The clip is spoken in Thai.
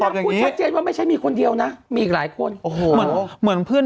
พูดชัดเจนว่าไม่ใช่มีคนเดียวนะมีอีกหลายคนโอ้โหเหมือนเหมือนเพื่อน